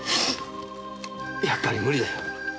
やっぱり無理だよ。